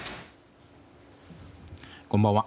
こんばんは。